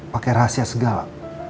pake rahasia segala